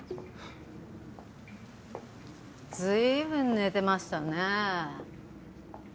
随分寝てましたねぇ。